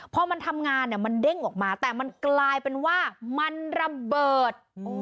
พอมันทำงานเนี่ยมันเด้งออกมาแต่มันกลายเป็นว่ามันระเบิด